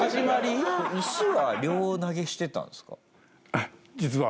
あっ実は。